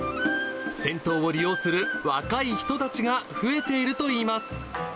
銭湯を利用する若い人たちが増えているといいます。